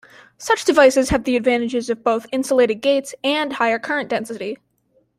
Such devices have the advantages of both insulated gates and higher current density.